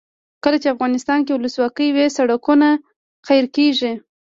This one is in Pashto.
کله چې افغانستان کې ولسواکي وي سړکونه قیر کیږي.